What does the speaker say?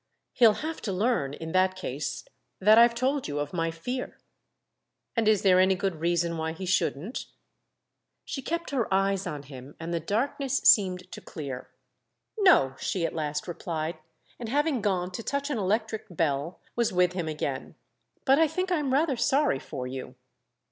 "He'll have to learn in that case that I've told you of my fear." "And is there any good reason why he shouldn't?" She kept her eyes on him and the darkness seemed to clear. "No!" she at last replied, and, having gone to touch an electric bell, was with him again. "But I think I'm rather sorry for you."